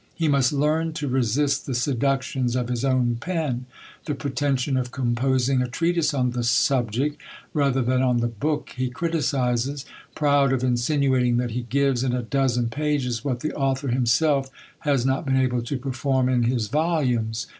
He must learn to resist the seductions of his own pen: the pretension of composing a treatise on the subject, rather than on the book he criticises proud of insinuating that he gives, in a dozen pages, what the author himself has not been able to perform in his volumes.